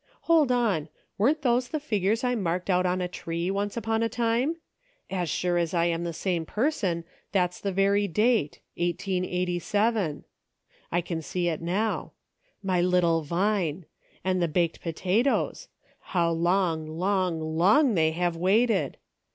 Hold on ! Weren't those the figures I marked out on a tree, once upon a time ? As sure as I am the same person, that's the very date — 1887. CIRCLES WITHIN CIRCLES. 313 I can see it now. My little Vine ! and the baked potatoes ; how long, long, long they have waited